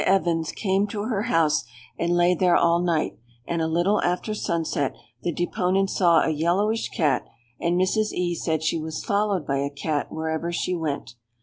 Evens came to her house, and lay there all night; and a little after sun set, the deponent saw a yellowish cat; and Mrs. E. said she was followed by a cat wherever she went.